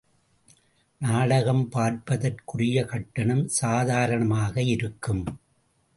நாடகம் பார்ப்பதற்குரிய கட்டணம் சாதாரணமாக இருக்கும்.